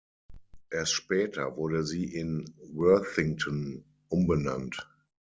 Erst später wurde sie in Worthington umbenannt.